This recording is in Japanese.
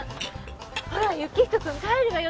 ほら行人君帰るわよ。